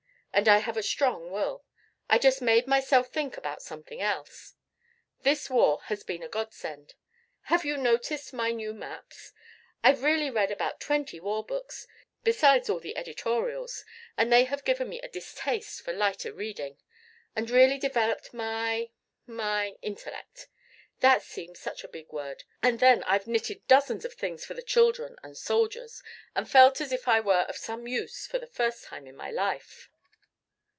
And I have a strong will. I just made myself think about something else. This war has been a godsend. Have you noticed my new maps? I've really read about twenty war books, besides all the editorials, and they have given me a distaste for lighter reading, and really developed my my intellect. That seems such a big word. And then I've knitted dozens of things for the children and soldiers, and felt as if I were of some use for the first time in my life."